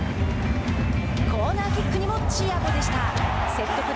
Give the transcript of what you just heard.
コーナーキックにもチアゴでした。